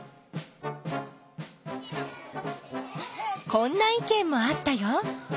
こんないけんもあったよ。